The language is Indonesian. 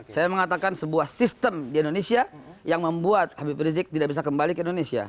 saya mengatakan sebuah sistem di indonesia yang membuat habib rizik tidak bisa kembali ke indonesia